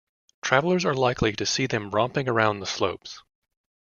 Travellers are likely to see them romping around the slopes.